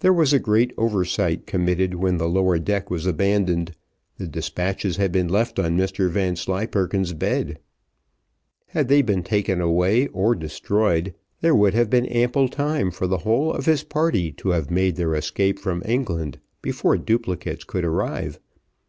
There was a great oversight committed when the lower deck was abandoned, the despatches had been left on Mr Vanslyperken's bed. Had they been taken away or destroyed, there would have been ample time for the whole of his party to have made their escape from England, before duplicates could arrive.